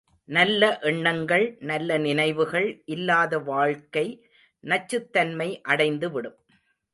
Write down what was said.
நல்ல எண்ணங்கள் நல்ல நினைவுகள் இல்லாத வாழ்க்கை நச்சுத்தன்மை அடைந்து விடும்.